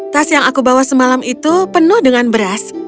tas yang aku bawa semalam itu penuh dengan beras